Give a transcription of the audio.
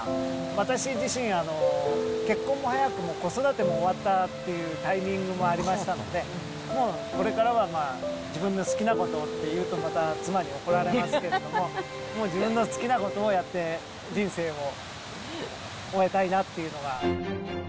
私自身、結婚も早く、子育ても終わったってタイミングもありましたので、もうこれからは自分の好きなことって言うと、また妻に怒られますけれども、もう自分の好きなことをやって、人生を終えたいなっていうのが。